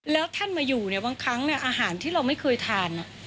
แล้วท่านมาอยู่เนี่ยบางครั้งอาหารที่เราไม่เคยทาน